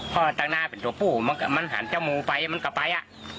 เพราะตั้งหน้าเป็นตัวปู่มันมันหันเจ้าหมูไปมันกลับไปอ่ะ